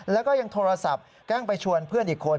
แล้วก็ยังโทรศัพท์แกล้งไปชวนเพื่อนอีกคน